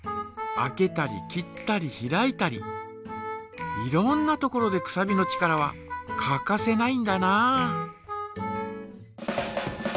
開けたり切ったり開いたりいろんなところでくさびの力は欠かせないんだな。